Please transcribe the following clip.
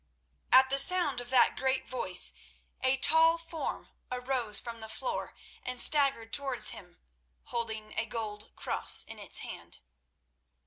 At the sound of that great voice a tall form arose from the floor, and staggered towards him, holding a gold cross in its hand.